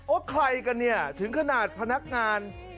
ใครกันเนี่ยถึงขนาดพนักงาน